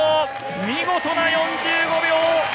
見事な４５秒！